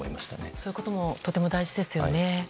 そういうこともとても大事ですよね。